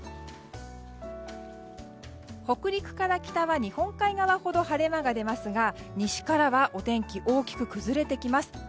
北陸から北は日本海側ほど晴れ間が出ますが西からはお天気大きく崩れてきます。